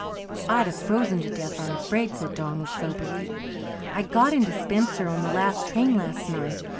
"I'd have frozen to death, I'm afraid," said Donald soberly. "I got into Spencer on the last train last night.